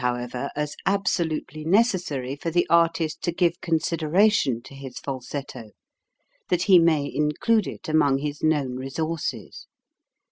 THE HIGHEST HEAD TONES 177 ever, as absolutely necessary for the artist to give consideration to his falsetto, that he may include it among his known resources.